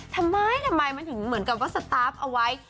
ทำไมทำไมมันถึงเหมือนกับว่าสตาร์ฟเอาไว้